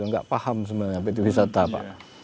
tidak paham sebenarnya apa itu wisata pak